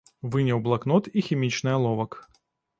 Выняў блакнот і хімічны аловак.